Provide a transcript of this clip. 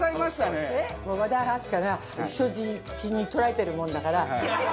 和田明日香が人質にとられてるもんだから。